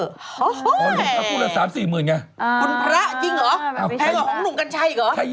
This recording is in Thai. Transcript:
อ๋อเห้ยคุณพระจริงเหรอแพงเหรอของหนูกันใช่เหรอ